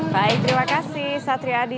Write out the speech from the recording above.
baik terima kasih satri adi